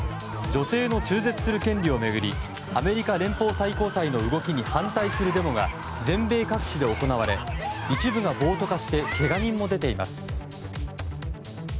女性の中絶する権利を巡りアメリカ連邦最高裁の動きに反対するデモが全米各地で行われ一部が暴徒化してけが人も出ています。